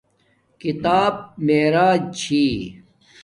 کتاب معراج چھی